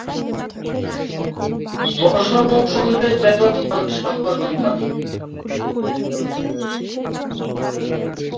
বর্ষা মৌসুমে ব্যপকভাবে শাপলা জন্মায়।